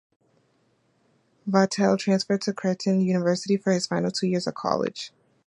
Vitale transferred to Creighton University for his final two years of college.